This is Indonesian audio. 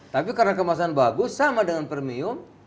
tapi karena kemasan bagus sama dengan premium